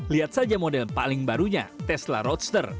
lihat saja model paling barunya tesla roadster